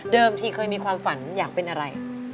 ที่เคยมีความฝันอยากเป็นอะไร